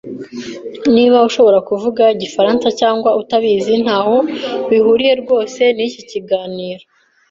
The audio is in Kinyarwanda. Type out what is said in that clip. Niba ushobora kuvuga igifaransa cyangwa utabizi ntaho bihuriye rwose niki kiganiro.